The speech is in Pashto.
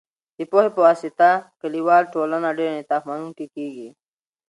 د پوهې په واسطه، کلیواله ټولنه ډیر انعطاف منونکې کېږي.